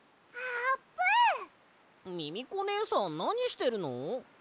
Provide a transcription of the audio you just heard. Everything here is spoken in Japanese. ミミコねえさんなにしてるの？